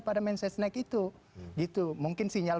pada mensesnek itu gitu mungkin sinyal